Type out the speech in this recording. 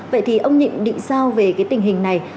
vậy thì ông nhịn định sao về cái tình hình này